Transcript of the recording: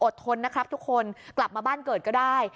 ทนนะครับทุกคนกลับมาบ้านเกิดก็ได้